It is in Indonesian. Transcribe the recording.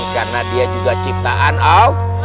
karena dia juga ciptaan allah